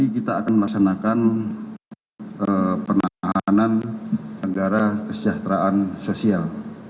kita akan melaksanakan penahanan negara kesejahteraan sosial